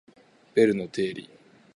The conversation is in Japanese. ベルの定理